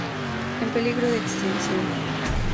En peligro de extinción.